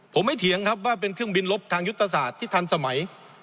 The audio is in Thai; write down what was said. ผมไม่เถียงครับว่าเป็นเครื่องบินลบทางยุทธศาสตร์ที่ทันสมัย